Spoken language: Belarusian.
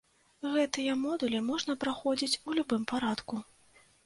Гэтыя модулі можна праходзіць у любым парадку.